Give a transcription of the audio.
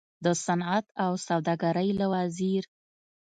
د صنعت او سوداګرۍ له وزیر